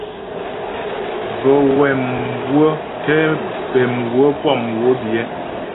Bə́ wɛ mhwə̌ tɛ pɛ̌ mhwə̀ puá mhwə biyɛ.